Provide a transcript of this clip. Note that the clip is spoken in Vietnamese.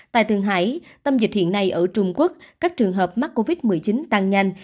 tại thường hải tâm dịch hiện nay ở trung quốc các trường hợp mắc covid một mươi chín tăng nhanh